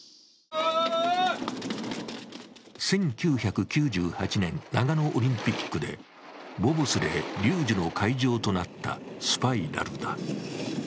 １９９８年、長野オリンピックでボブスレー・リュージュの会場となったスパイラルだ。